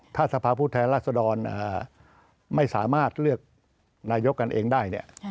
ถ้าสภาพผู้แทนราษดรไม่สามารถเลือกนายกกันเองได้เนี่ย